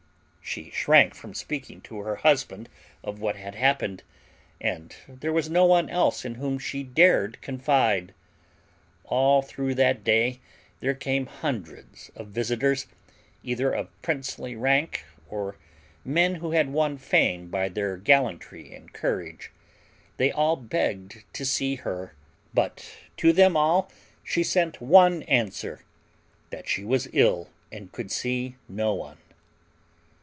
She shrank from speaking to her husband of what had happened, and there was no one else in whom she dared confide. All through that day there came hundreds of visitors, either of princely rank or men who had won fame by their gallantry and courage. They all begged to see her, but to them all she sent one answer that she was ill and could see no one.